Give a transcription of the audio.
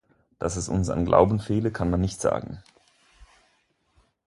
Dass es uns an Glauben fehle, kann man nicht sagen.